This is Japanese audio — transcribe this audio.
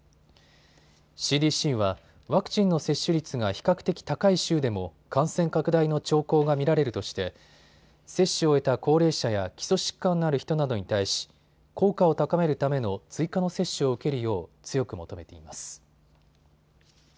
ＣＤＣはワクチンの接種率が比較的高い州でも感染拡大の兆候が見られるとして接種を終えた高齢者や基礎疾患のある人などに対し、効果を高めるための追加の接種を受けるよう強く求めています。